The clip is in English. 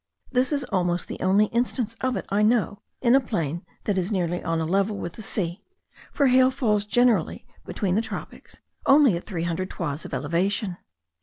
This is almost the only instance of it I know in a plain that is nearly on a level with the sea; for hail falls generally, between the tropics, only at three hundred toises of elevation.